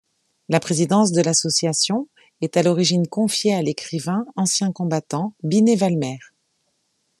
La présidence de l'association est à l'origine confiée à l'écrivain ancien combattant Binet-Valmer.